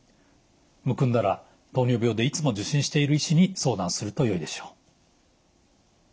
むくんだら糖尿病でいつも受診している医師に相談するとよいでしょう。